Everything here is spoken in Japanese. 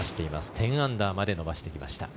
１０アンダーまで伸ばしてきました。